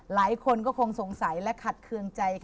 หลายคนก็คงสงสัยและขัดเคืองใจ